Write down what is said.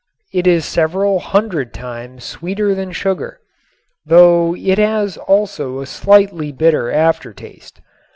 It is several hundred times sweeter than sugar, though it has also a slightly bitter aftertaste.